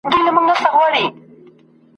د ښاغلي محمود حقیقت د شعرونو